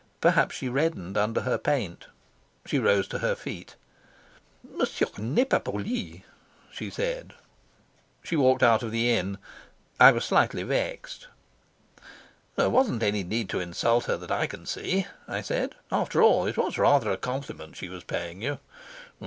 Perhaps she reddened under her paint. She rose to her feet. she said. She walked out of the inn. I was slightly vexed. "There wasn't any need to insult her that I can see," I said. "After all, it was rather a compliment she was paying you."